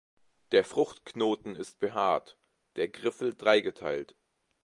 Der Fruchtknoten ist behaart, der Griffel dreigeteilt.